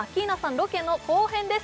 ロケの後編です